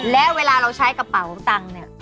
และเวลาเราใช้กระเป๋าตังค์เนี่ย